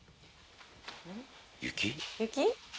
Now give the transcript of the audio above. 雪？